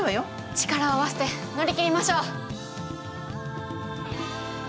力を合わせて乗り切りましょう！